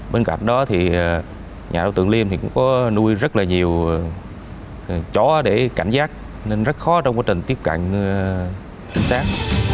bên cạnh đó thì nhà đối tượng liêm thì cũng có nuôi rất là nhiều chó để cảnh giác nên rất khó trong quá trình tiếp cạnh trinh sát